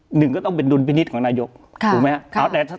หนึ่งก็ต้องเป็นดุลพินิษฐ์ของนายกถูกมั้ยฮะเอาแต่